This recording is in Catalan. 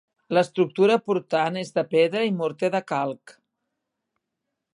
L'estructura portant és de pedra i morter de calc.